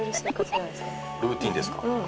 「ルーティンですか？」